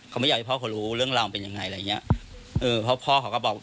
เขาไม่อยากให้พ่อเขารู้เรื่องราวเป็นยังไงอะไรอย่างเงี้ยเออเพราะพ่อเขาก็บอก